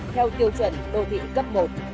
theo tiêu chuẩn đô thị cấp một